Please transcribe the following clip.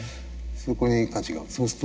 そこに価値がある。